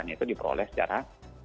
itu diperoleh secara